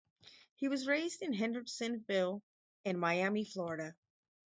He was raised in Hendersonville and Miami, Florida.